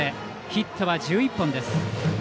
ヒットは１１本です。